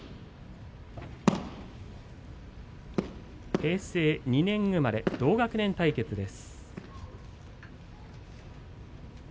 平成２年生まれ、同学年対決です。